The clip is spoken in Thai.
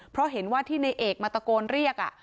เพราะเห็นว่าที่ในเอกมาตะโกนเรียก